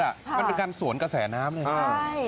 นี่แสงเดียวกับรถมันเป็นการสวนกระแสน้ำนี่